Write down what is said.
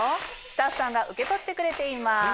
スタッフさんが受け取ってくれています。